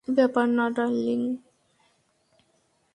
ব্যাপার না, ডার্লিং।